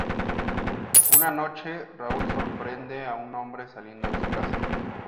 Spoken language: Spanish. Una noche, Raúl sorprende a un hombre saliendo de su casa.